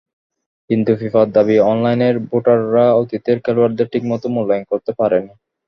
কিন্তু ফিফার দাবি, অনলাইনের ভোটাররা অতীতের খেলোয়াড়দের ঠিকমতো মূল্যায়ন করতে পারেনি।